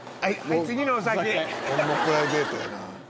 「ホンマプライベートやな」